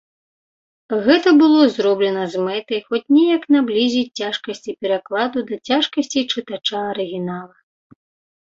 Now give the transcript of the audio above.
Гэта было зроблена з мэтай хоць неяк наблізіць цяжкасці перакладу да цяжкасцей чытача арыгінала.